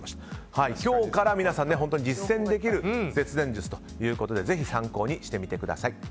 今日から皆さん実践できる節電術ということでぜひ参考にしてみてください。